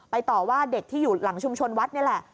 ต่อว่าเด็กที่อยู่หลังชุมชนวัดนี่แหละ